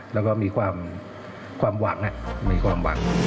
แล้วก็มีความหวังมีความหวัง